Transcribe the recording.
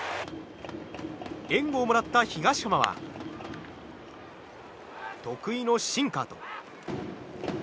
援護をもらった東浜は得意のシンカー。